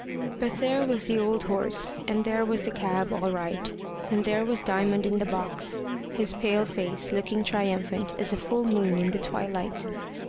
But there was the old horse, and there was the cab all right, and there was Diamond in the box, his pale face looking triumphant as a full moon in the twilight.